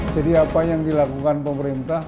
jadi apa yang dilakukan pemerintah